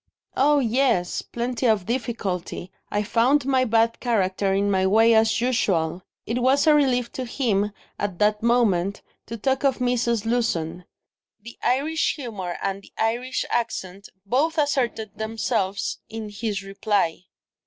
"Oh, yes, plenty of difficulty; I found my bad character in my way, as usual." It was a relief to him, at that moment, to talk of Mrs. Lewson; the Irish humour and the Irish accent both asserted themselves in his reply.